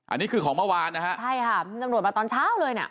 อันนี้คือของเมื่อวานนะฮะใช่ค่ะตำรวจมาตอนเช้าเลยน่ะ